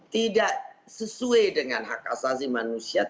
tidak sesuai dengan hak asasi manusia